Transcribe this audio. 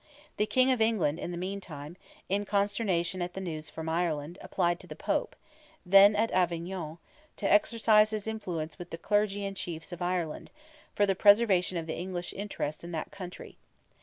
The King of England in the meantime, in consternation at the news from Ireland, applied to the Pope, then at Avignon, to exercise his influence with the Clergy and Chiefs of Ireland, for the preservation of the English interest in that country.